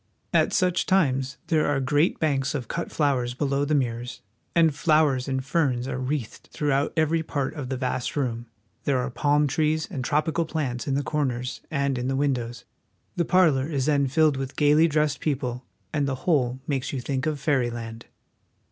At such times there are great banks of cut flowers below the mirrors, and flowers and ferns are wreathed throughout every part of the vast room. There are palm trees and tropical plants in the corners and in the windows. The parlor is then filled with gaily dressed people, and the whole makes you think of fairyland.